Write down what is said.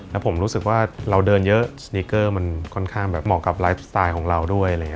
แล้วผมรู้สึกว่าเราเดินเยอะสนิกเกอร์มันค่อนข้างแบบเหมาะกับไลฟ์สไตล์ของเราด้วย